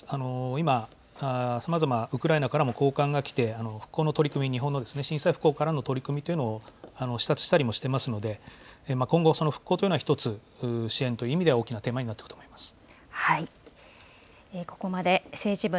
今、さまざまウクライナからも高官が来て、復興の取り組み、日本の震災復興からの取り組みというのを視察したりもしてますので、今後、復興というのは一つ、支援という意味では大きなテーマになってくると思います。